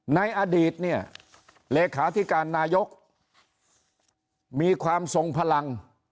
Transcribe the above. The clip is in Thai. ในอดีตเนี่ยเลขาธิการนายกมีความทรงพลัง